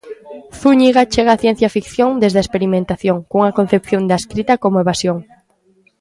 Zúñiga chega á ciencia ficción desde a experimentación, cunha concepción da escrita como evasión.